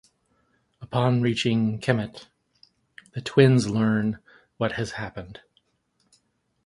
Upon reaching Kemet, the twins learn what has happened.